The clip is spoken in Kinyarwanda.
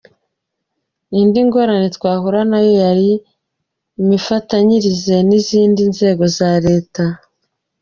Indi ngorane twahuraga nayo yari imifatanyirize n’izindi nzego za Leta.